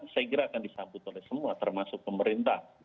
saya kira akan disambut oleh semua termasuk pemerintah